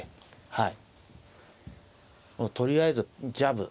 はい。